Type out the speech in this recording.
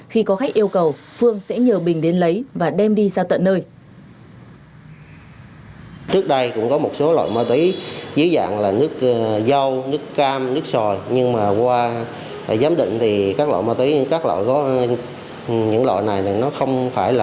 khi có khách yêu cầu phương sẽ nhờ bình đến lấy và đem đi ra tận nơi